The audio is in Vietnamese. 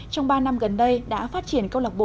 trong ba năm gần đây đã phát triển câu lạc bộ